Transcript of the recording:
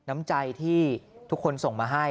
น้ำใจที่ทุกคนส่งมาให้